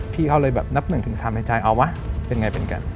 พี่เขาเลยนับ๑๓ในใจเอาวะเป็นแง่เป็นกัน